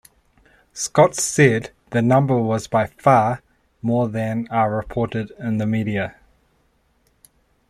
Scott said the number was by far, more than are reported in the media.